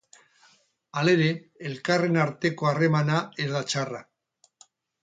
Halere, elkarren arteko harremana ez da txarra.